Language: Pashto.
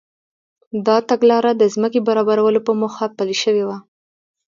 دا تګلاره د ځمکې برابرولو په موخه پلي شوې وه.